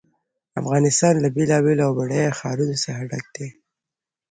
افغانستان له بېلابېلو او بډایه ښارونو څخه ډک دی.